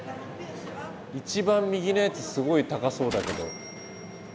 一番右のやつすごい高そうだけど。